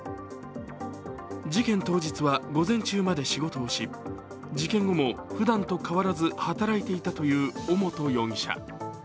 事件当日は午前中まで仕事をし、事件後もふだんと変わらず働いていたという尾本容疑者。